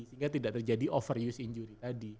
sehingga tidak terjadi overuse injury tadi